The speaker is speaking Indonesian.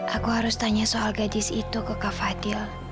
aku harus tanya soal gadis itu ke kak fadil